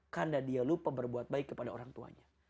karena dia lupa berbuat baik kepada orang tuanya